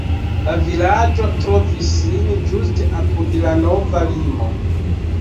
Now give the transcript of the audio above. La vilaĝo trovis sin ĝuste apud la nova limo.